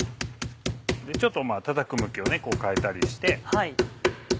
ちょっとたたく向きを変えたりして。